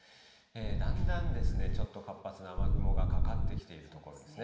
だんだん、ちょっと活発な雨雲がかかってきているところですね。